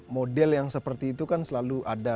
model yang seperti itu kan selalu ada